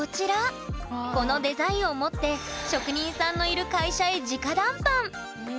このデザインを持って職人さんがいる会社へじか談判。